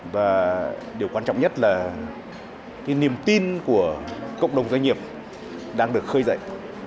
và điều quan trọng nhất là cái niềm tin của cộng đồng doanh nghiệp đang được khơi dậy